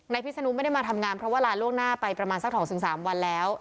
พิศนุไม่ได้มาทำงานเพราะว่าลาล่วงหน้าไปประมาณสัก๒๓วันแล้ว